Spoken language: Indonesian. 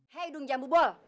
hei dong jambu bol